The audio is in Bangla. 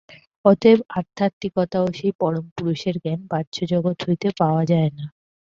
অতএব আধ্যাত্মিকতা ও সেই পরমপুরুষের জ্ঞান বাহ্যজগৎ হইতে পাওয়া যায় না।